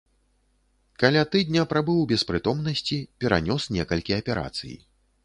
Каля тыдня прабыў без прытомнасці, перанёс некалькі аперацый.